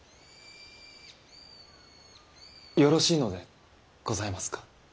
よろしいのでございますか？